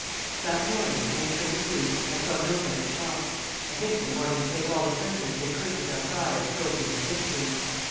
"That morning, May 22, I saw nobody shot. I think they wanted to take all the prisoners they could to Versailles as trophies of victory.